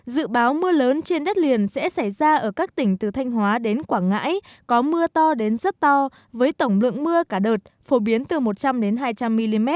dự báo mưa lớn trên đất liền sẽ xảy ra ở các tỉnh từ thanh hóa đến quảng ngãi có mưa to đến rất to với tổng lượng mưa cả đợt phổ biến từ một trăm linh hai trăm linh mm